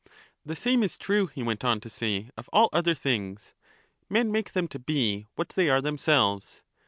The same is true, he went on to say, of all other things ; men make them to be what they are themselves.